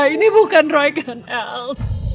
ini bukan roy kan al